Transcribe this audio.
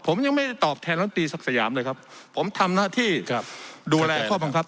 ผมยังไม่ได้ตอบแทนลำตีศักดิ์สยามเลยครับผมทำหน้าที่ครับดูแลข้อบังคับ